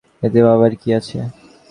এতে ভাবার কী আছে?